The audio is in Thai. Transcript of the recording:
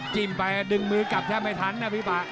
จิ้มไปดึงมือกลับแทบไม่ทันนะพี่ป่า